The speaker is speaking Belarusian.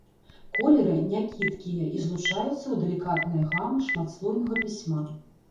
Колеры някідкія і злучаюцца ў далікатныя гамы шматслойнага пісьма.